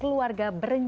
oleh bahai tuhan